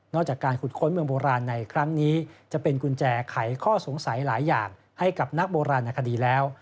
จากการขุดค้นเมืองโบราณในครั้งนี้จะเป็นกุญแจไขข้อสงสัยหลายอย่างให้กับนักโบราณคดีแล้ว